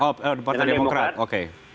oh pantai demokrat oke